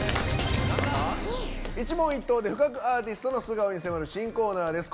一問一答で深くアーティストの素顔に迫る新コーナーです。